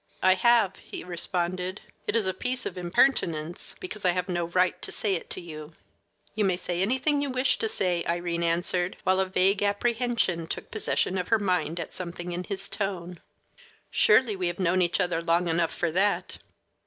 "I have," he responded. "It is a piece of impertinence, because I have no right to say it to you." "You may say anything you wish to say," Irene answered, while a vague apprehension took possession of her mind at something in his tone. "Surely we have known each other long enough for that."